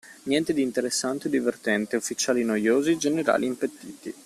Niente di interessante o divertente, ufficiali noiosi, generali impettiti.